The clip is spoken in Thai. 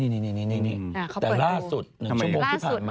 นี่แต่ล่าสุด๑ชั่วโมงที่ผ่านมา